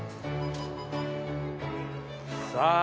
さあ